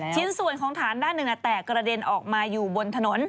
ชิ้นส่วนของฐานด้านหนึ่งแตกกระเด็นออกมาอยู่บนถนน